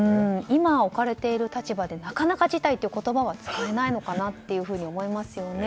今、置かれている立場でなかなか辞退という言葉は使えないのかなというふうに思いますよね。